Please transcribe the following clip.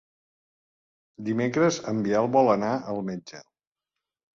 Dimecres en Biel vol anar al metge.